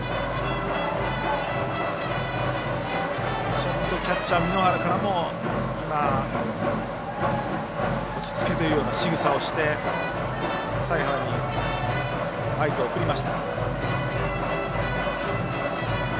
ちょっとキャッチャー簑原からも今、落ち着けというようなしぐさをして財原に合図を送りました。